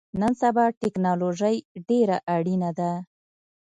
نن سبا ټکنالوژی ډیره اړینه ده